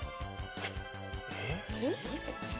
えっ？